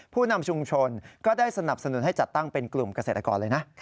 ผู้นำชุมชนก็ได้สนับสนุนให้จัดตั้งเป็นกลุ่มเกษตรกรเลยนะ